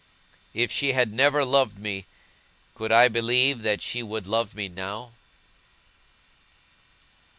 If she had never loved me, could I believe that she would love me now?